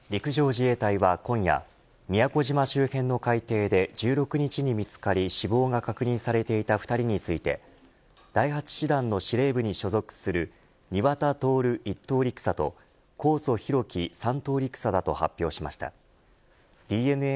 陸上自衛隊は今夜宮古島周辺の海底で１６日に見つかり死亡が確認されていた２人について第８師団の司令部に所属する庭田徹１等陸佐と神尊晧基３等陸佐だと発表しました。